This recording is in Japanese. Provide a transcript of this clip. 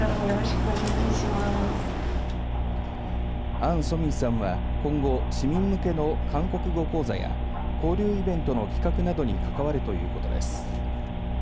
アン・ソミンさんは今後市民向けの韓国語講座や交流イベントの企画などに関わるということです。